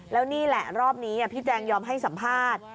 แล้วนี่แหละรอบนี้พี่แจงยอมให้สัมภาษณ์